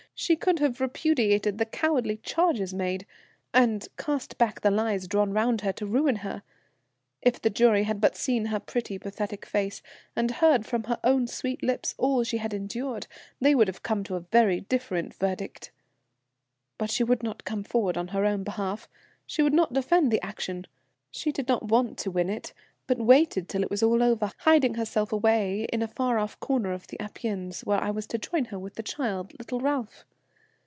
She could have repudiated the cowardly charges made, and cast back the lies drawn round her to ruin her. If the jury had but seen her pretty, pathetic face, and heard from her own sweet lips all she had endured, they would have come to a very different verdict. "But she would not come forward on her own behalf. She would not defend the action; she did not want to win it, but waited till it was all over, hiding herself away in a far off corner of the Apennines, where I was to join her with the child, little Ralph.